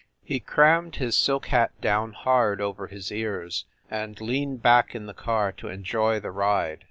He crammed his silk hat down hard over his ears and leaned back in the car to enjoy the ride.